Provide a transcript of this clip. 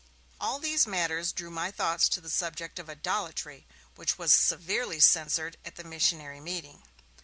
All these matters drew my thoughts to the subject of idolatry, which was severely censured at the missionary meeting.